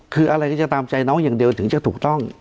คืออะไรก็จะตามใจน้องอย่างเดียวถึงจะถูกต้อง